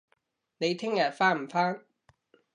你聽日返唔返